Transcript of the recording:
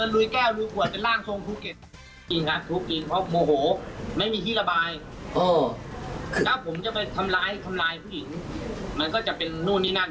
แล้วใช่เอ้ยไม่ฟังแบบนี้กดหนูนนี่นั่น